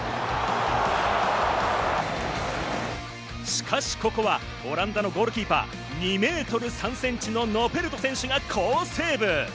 しかし、ここはオランダのゴールキーパー、２メートル３センチのノペルト選手が好セーブ。